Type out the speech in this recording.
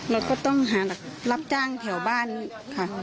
เราก็ต้องหารับจ้างแถวบ้านค่ะ